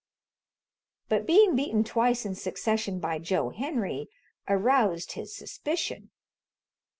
But being beaten twice in succession by Joe Henry aroused his suspicion.